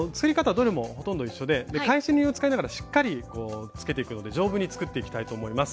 どれもほとんど一緒で返し縫いを使いながらしっかりつけていくので丈夫に作っていきたいと思います。